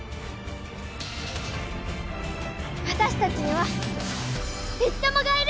私たちにはビッ友がいる！